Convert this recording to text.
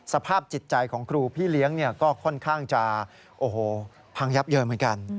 สภาพจิตใจของครูพี่เลี้ยงก็ค่อนข้างจะพังยับเยินเหมือนกัน